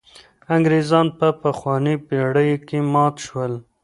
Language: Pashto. انګرېزان په پخوانۍ پېړۍ کې مات شول.